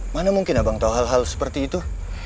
mana mungkin abang tahu hal hal seperti itu